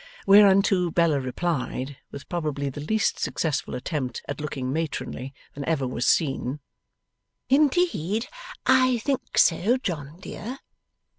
Whereunto Bella replied, with probably the least successful attempt at looking matronly that ever was seen: 'Indeed, I think so, John, dear.